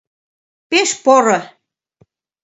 — Пеш поро!